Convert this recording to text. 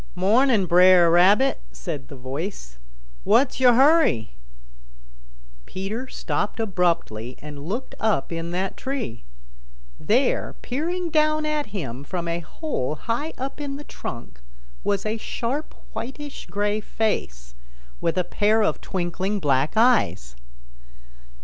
"Morning, Bre'r Rabbit," said the voice. "What's yo' hurry?" Peter stopped abruptly and looked up in that tree. There, peering down at him from a hole high up in the trunk, was a sharp, whitish gray face, with a pair of twinkling black eyes.